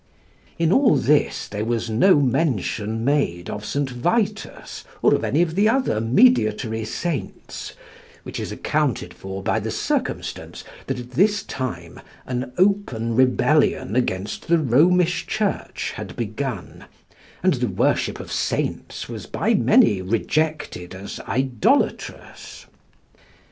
In all this there was no mention made of St. Vitus, or any of the other mediatory saints, which is accounted for by the circumstance that at this time an open rebellion against the Romish Church had begun, and the worship of saints was by many rejected as idolatrous.